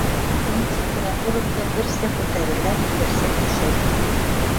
Тән температурам да берсә күтәрелә, берсә төшә.